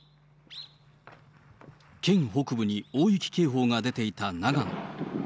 県北部に大雪警報が出ていた長野。